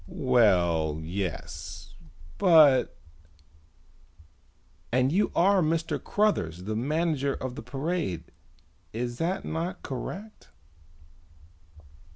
"Well, yes, but " "And you are Mr. Cruthers, the manager of the parade, is that not correct?"